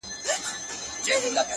هغه د هر مسجد و څنگ ته ميکدې جوړي کړې ـ